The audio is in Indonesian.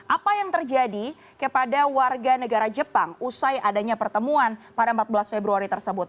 apa yang terjadi kepada warga negara jepang usai adanya pertemuan pada empat belas februari tersebut